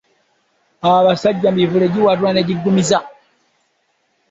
Abasajja mivule giwaatula ne giggumiza.